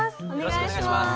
お願いします。